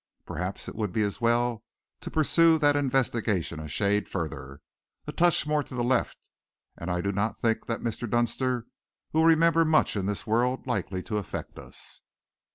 Perhaps it would be as well to pursue that investigation a shade further. A touch more to the left and I do not think that Mr. Dunster will remember much in this world likely to affect us."